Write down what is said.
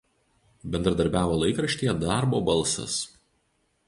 Bendradarbiavo laikraštyje „Darbo balsas“.